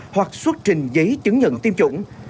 hoặc xuất trình giấy chứng nhận tiêm chủng